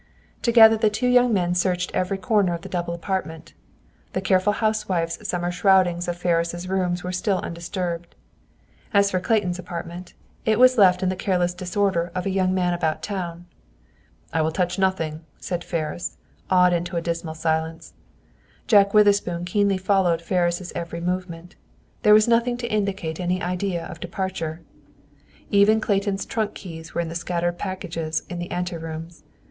Together the two young men searched every corner of the double apartment. The careful housewife's summer shroudings of Ferris' rooms were still undisturbed. As for Clayton's apartment, it was left in the careless disorder of a young man about town. "I will touch nothing," said Ferris, awed into a dismal silence. Jack Witherspoon keenly followed Ferris' every movement. There was nothing to indicate any idea of departure. Even Clayton's trunk keys were in the scattered packages in the ante rooms.